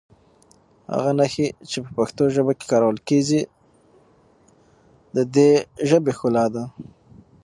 هغه نښې چې په پښتو ژبه کې کارول کېږي د دې ژبې ښکلا ده.